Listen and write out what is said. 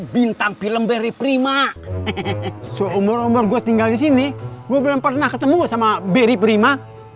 bintang film beri prima seumur umur gue tinggal di sini gue belum pernah ketemu sama beri prima